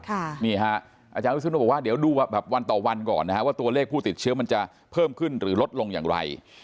อาจารย์วิศนุบอกว่าเดี๋ยวดูแบบวันต่อวันก่อนนะฮะว่าตัวเลขผู้ติดเชื้อมันจะเพิ่มขึ้นหรือลดลงอย่างไร